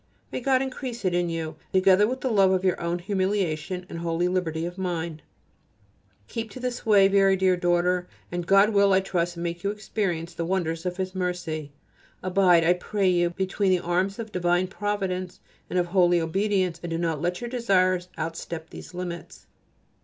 May God increase it in you, together with the love of your own humiliation and holy liberty of mind. Keep to this way, very dear daughter, and God will, I trust, make you experience the wonders of His mercy. Abide, I pray you, between the arms of divine Providence and of holy Obedience, and let not your desires outstep these limits.